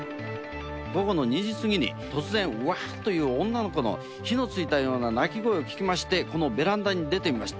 午後の２時過ぎに、突然、うわっという女の子の火のついたような泣き声を聞きまして、このベランダに出てみました。